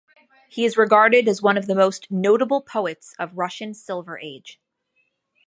He is regarded as one of the most notable poets of Russian Silver Age.